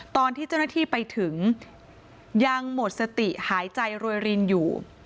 ตอนที่เจ้าหน้าที่ไปถึงยังหมดสติหายใจรวยรินอยู่